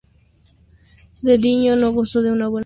De niña no gozó de buena salud.